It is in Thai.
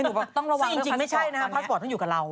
ต้องระวังเรื่องพาสปอร์ตตอนนี้ซึ่งจริงไม่ใช่นะฮะพาสปอร์ตต้องอยู่กับเรา